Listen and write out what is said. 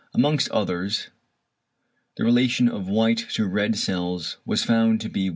Amongst others the relation of white to red cells was found to be 1:4.